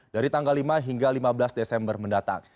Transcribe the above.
dari tanggal lima hingga lima belas desember mendatang